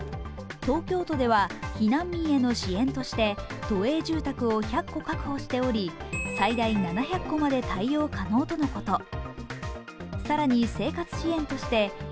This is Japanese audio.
東京都では避難民への支援として都営住宅を１００戸確保しており最大７００戸まで対応可能とのこと。